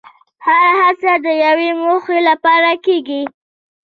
هره هڅه د یوې موخې لپاره کېږي.